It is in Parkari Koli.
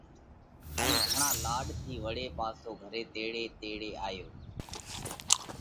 ان گھڻا لاڏ ٿِي وۯي پاسو گھري تيڙي تيڙي آيو